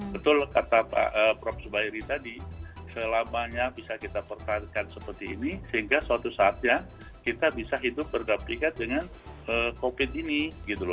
betul kata prof zubairi tadi selamanya bisa kita pertahankan seperti ini sehingga suatu saatnya kita bisa hidup berdaplikat dengan covid ini gitu loh